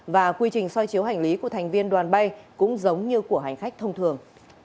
và quy trình soi chiếu hành lý của thành viên đoàn bay cũng giống như của hành khách thông thường